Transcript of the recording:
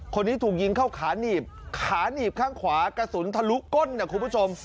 คนนี้ถูกยิงเข้าขาหนีบขาหนีบข้างขวากระสุนทะลุก้นนะคุณผู้ชม